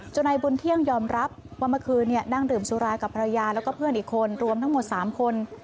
นายบุญเที่ยงยอมรับว่าเมื่อคืนนั่งดื่มสุรากับภรรยาแล้วก็เพื่อนอีกคนรวมทั้งหมด๓คน